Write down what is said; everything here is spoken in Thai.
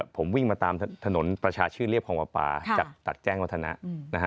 ผมวิ่งมาตามถนนประชาชื่นเรียบคลองวาปาจากตัดแจ้งวัฒนะ